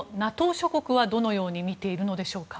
諸国はどのように見ているのでしょうか？